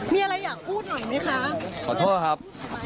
มีอะไรอยากพูดหน่อยไหมคะขอโทษครับ